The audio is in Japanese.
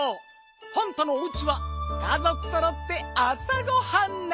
パンタのおうちはかぞくそろってあさごはんなのねん。